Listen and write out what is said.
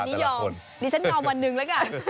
นี่ฉันยอมวันนึงแล้วกัน